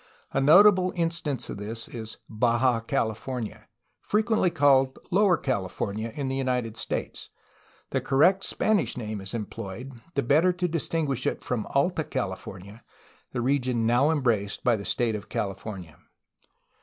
A notable instance of this is '^Baja California,'^ frequently called ^ 'Lower California" in the United States, The correct Spanish name is employed, the better to distinguish it from ^'Alta California," the region now embraced by the state of California.